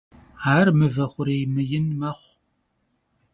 Ar mıve xhurêy mıin mexhu.